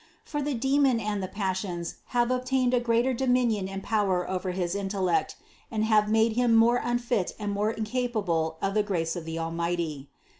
For the demon and the passions have ob tained a greater dominion and power over his intellect and have made him more unfit and more incapable of the grace of the Almighty.